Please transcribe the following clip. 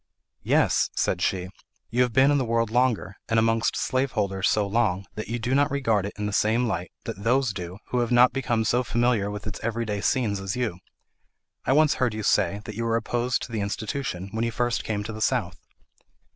"Yes," said she, "you have been in the world longer, and amongst slaveholders so long that you do not regard it in the same light that those do who have not become so familiar with its every day scenes as you. I once heard you say, that you were opposed to the institution, when you first came to the South."